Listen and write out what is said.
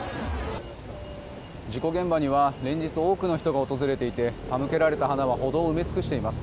事故現場には連日多くの人が訪れていて手向けられた花は歩道を埋め尽くしています。